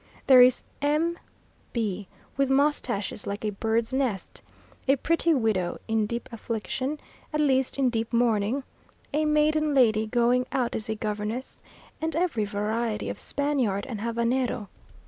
There is M. B with moustaches like a bird's nest; a pretty widow in deep affliction, at least in deep mourning; a maiden lady going out as a governess, and every variety of Spaniard and Havanero.